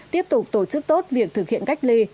tiếp tục tổ chức tốt việc thực hiện cách ly